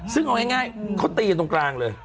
ซึ่งเอาง่ายเขาตีกันตรงกลางเลย